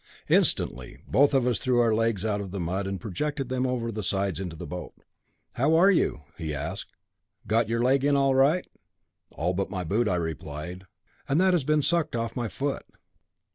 Instantly both of us drew our left legs out of the mud, and projected them over the sides into the boat. "How are you?" asked he. "Got your leg in all right?" "All but my boot," I replied, "and that has been sucked off my foot."